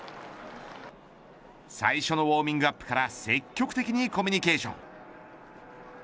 最初のウオーミングアップから積極的にコミュニケーション。